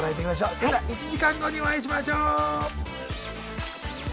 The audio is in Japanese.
それでは１時間後にお会いしましょう。